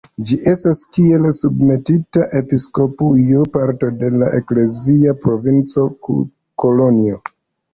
Ĝi estas kiel submetita episkopujo parto de la eklezia provinco Kolonjo.